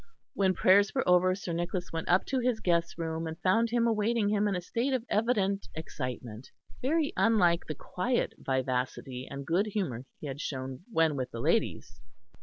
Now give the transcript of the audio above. When prayers were over, Sir Nicholas went up to his guest's room, and found him awaiting him in a state of evident excitement, very unlike the quiet vivacity and good humour he had shown when with the ladies.